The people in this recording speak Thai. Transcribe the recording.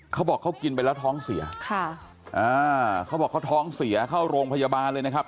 เขาบอกเขากินไปแล้วท้องเสียค่ะอ่าเขาบอกเขาท้องเสียเข้าโรงพยาบาลเลยนะครับ